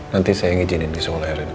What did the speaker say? nanti saya ngijinin di sekolah ya original